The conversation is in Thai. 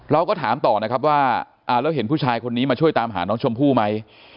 เราก็ถามต่อนะครับว่าแล้วเห็นผู้ชายคนนี้มาช่วยตามหาน้องชมพู่ไหม